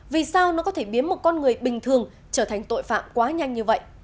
vì sao nó có thể biến một con người bình thường trở thành tội phạm quá nhanh như vậy